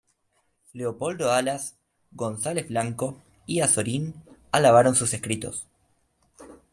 Leopoldo Alas, González-Blanco y Azorín alabaron sus escritos.